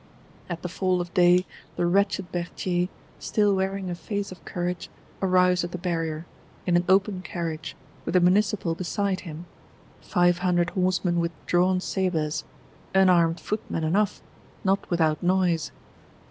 At the fall of day, the wretched Berthier, still wearing a face of courage, arrives at the Barrier; in an open carriage; with the Municipal beside him; five hundred horsemen with drawn sabres; unarmed footmen enough, not without noise!